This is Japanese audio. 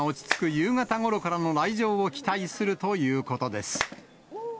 夕方ごろからの来場を期待するということです。